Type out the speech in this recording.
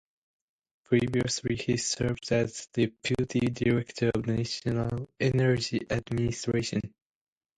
Previously he served as deputy director of National Energy Administration.